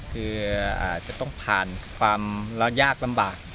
คือจะต้องผ่านความยากลำบาก